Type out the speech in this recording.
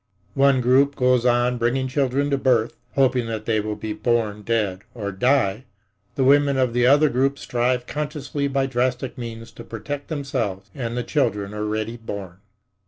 One group goes on bringing children to birth, hoping that they will be born dead or die. The women of the other group strive consciously by drastic means to protect themselves and the children already born.